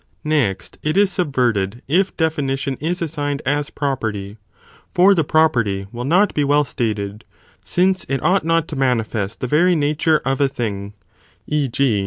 ΜΠ Next, it is subverted if definition is assigned : ether de . finition isas 88 property, for the property will not be well ogre. Pro stated, since it ought not to manifest the very nature of a thing; e. g.